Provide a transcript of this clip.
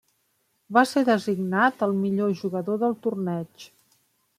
Va ser designat el millor jugador del torneig.